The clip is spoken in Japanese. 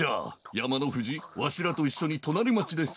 やまのふじわしらといっしょにとなりまちです